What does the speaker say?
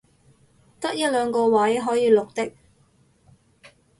得一兩個位可以綠的